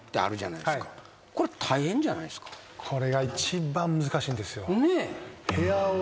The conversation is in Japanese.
これが一番難しいんですよ。